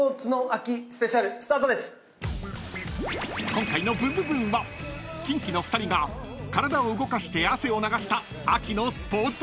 ［今回の『ブンブブーン！』はキンキの２人が体を動かして汗を流した］